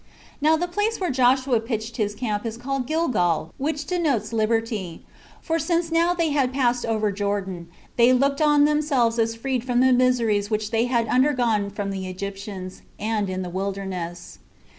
11. Now the place where Joshua pitched his camp was called Gilgal, which denotes liberty; 6 for since now they had passed over Jordan, they looked on themselves as freed from the miseries which they had undergone from the Egyptians, and in the wilderness.